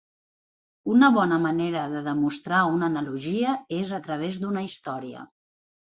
Una bona manera de demostrar una analogia es a través d'una història.